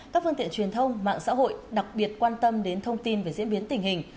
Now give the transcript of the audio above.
các phương tiện truyền thông mạng xã hội đặc biệt quan tâm đến thông tin về diễn biến tình hình